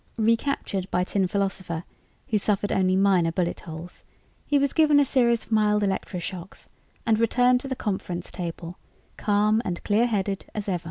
Recaptured by Tin Philosopher, who suffered only minor bullet holes, he was given a series of mild electroshocks and returned to the conference table, calm and clear headed as ever.